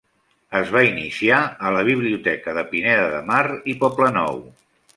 Es va iniciar a la biblioteca de Pineda de Mar i Poblenou.